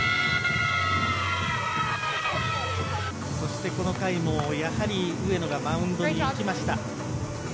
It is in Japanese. そして、この回もやはり上野がマウンドに行きました。